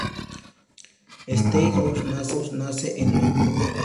Stella Whitehouse nace en Londres.